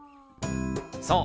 そう。